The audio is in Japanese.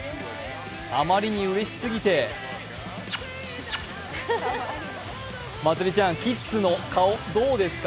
あまりにうれしすぎてまつりちゃん、キッズの顔、どうですか？